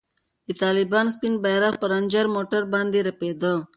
د طالبانو سپین بیرغ پر رنجر موټر باندې رپېده.